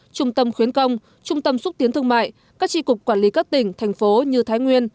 trung tâm khuyến công trung tâm xúc tiến thương mại các tri cục quản lý các tỉnh thành phố như thái nguyên